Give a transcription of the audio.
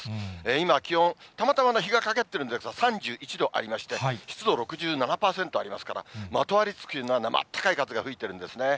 今、気温、たまたま日が陰ってるんですが、３１度ありまして、湿度６７％ありますから、まとわりつくような、なまあったかい風が吹いてるんですね。